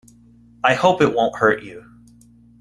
I hope it won't hurt you.